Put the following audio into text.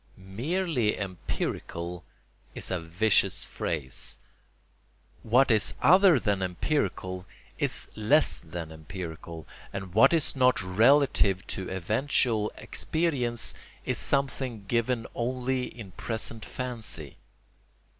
"Merely empirical" is a vicious phrase: what is other than empirical is less than empirical, and what is not relative to eventual experience is something given only in present fancy.